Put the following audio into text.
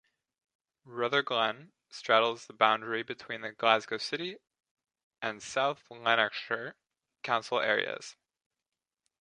Rutherglen straddles the boundary between the Glasgow City and South Lanarkshire council areas.